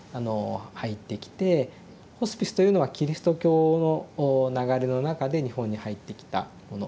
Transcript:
ホスピスというのはキリスト教の流れの中で日本に入ってきたもの。